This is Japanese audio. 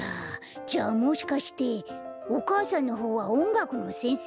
じゃあもしかしておかあさんのほうはおんがくのせんせい？